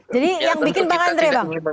jadi yang bikin bang andrei bang